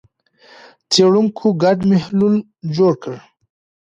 څېړونکو ګډ محلول جوړ کړ.